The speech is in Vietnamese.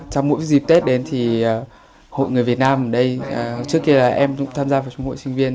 trong mỗi dịp tết đến thì hội người việt nam ở đây trước kia là em cũng tham gia vào trung hội sinh viên